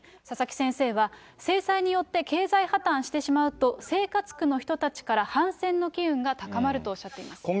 佐々木先生は、制裁によって経済破綻してしまうと、生活苦の人たちから反戦の機運が高まるとおっしゃっています。